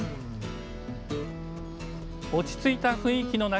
落ち着いた雰囲気の中